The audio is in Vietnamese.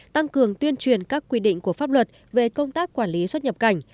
tăng cường tuyên truyền các quy định của pháp luật về công tác quản lý xuất nhập cảnh